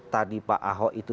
tadi pak ahok itu